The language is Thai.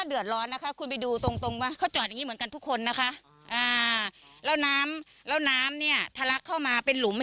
อันนี้ผมถามกับพี่อืมนี่แหละที่มันจอดเนี้ยแล้วก็ของพวก